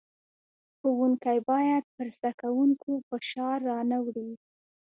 ښوونکی بايد پر زدکوونکو فشار را نۀ وړي.